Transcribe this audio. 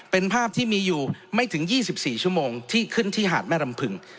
เป็นภาพที่มีอยู่ไม่ถึง๒๔ชั่วโมงที่ขึ้นที่หาดแม่ลำพึง